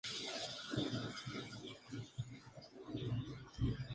En aquella ciudad se empezaron a hacer campeonatos entre equipos formados por los barrios.